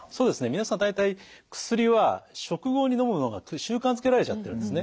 皆さん大体薬は食後にのむのが習慣づけられちゃってるんですね。